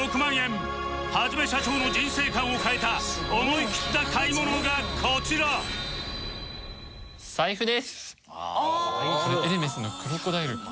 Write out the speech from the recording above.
はじめしゃちょーの人生観を変えた思い切った買い物がこちらの革の財布です。